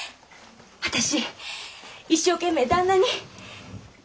私一生懸命旦那に。